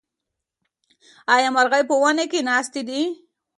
ایا مرغۍ په ونې کې ناستې دي؟